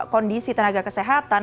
kondisi tenaga kesehatan